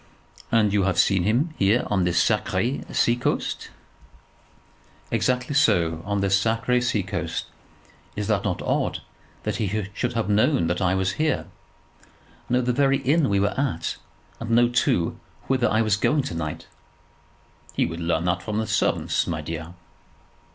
And you have seen him here on this sacré sea coast?" "Exactly so; on this sacré sea coast. Is it not odd that he should have known that I was here, known the very inn we were at, and known, too, whither I was going to night?" "He would learn that from the servants, my dear."